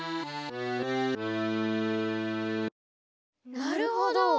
なるほど。